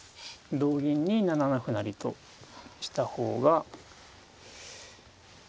同銀に７七歩成とした方が。